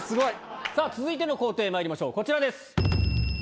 続いての工程へまいりましょうこちらです。